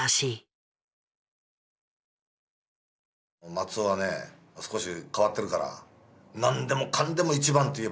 「松尾はね少し変わってるから何でもかんでも一番って言えばね